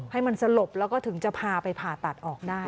ให้มันสลบแล้วก็ถึงจะพาไปผ่าตัดออกได้